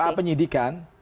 di ruang penyidikan